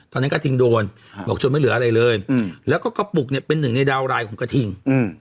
ตอนนั้นกะทิงโดนแล้วก็กะปุกเป็นหนึ่งในดาวน์ไลน์ของกะทิง